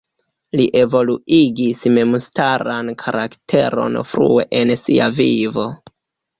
Li evoluigis memstaran karakteron frue en sia vivo.